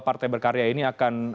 partai berkarya ini akan